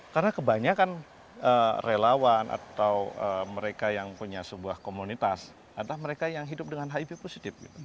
karena kebanyakan relawan atau mereka yang punya sebuah komunitas adalah mereka yang hidup dengan hiv positif